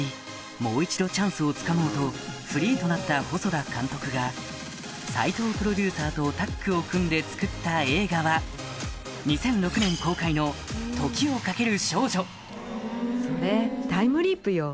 もう一度チャンスをつかもうとフリーとなった細田監督が齋藤プロデューサーとタッグを組んで作った映画は２００６年公開のそれタイムリープよ。